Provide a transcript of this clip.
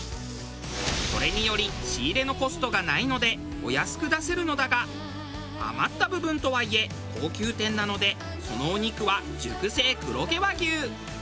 これにより仕入れのコストがないのでお安く出せるのだが余った部分とはいえ高級店なのでそのお肉は熟成黒毛和牛。